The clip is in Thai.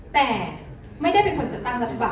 อ๋อแต่มีอีกอย่างนึงค่ะ